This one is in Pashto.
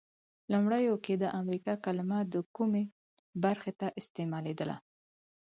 لومړیو کې د امریکا کلمه د کومې برخې ته استعمالیده؟